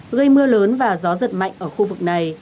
gây mưa lớn và gió giật mạnh ở khu vực này